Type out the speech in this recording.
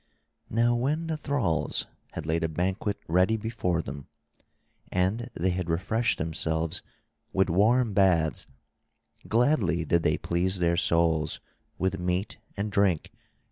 Now when the thralls had laid a banquet ready before them, and they had refreshed themselves with warm baths, gladly did they please their souls with meat and drink.